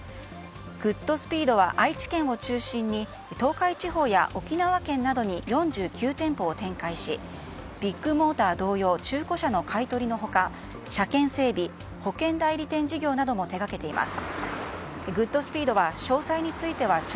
グッドスピードは愛知県を中心に東海地方や沖縄県などに４９店舗を展開しビッグモーター同様中古車の買い取りの他車検整備、保険代理店事業なども手掛けています。